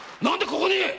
何でここに⁉